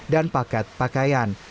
dan paket pakaian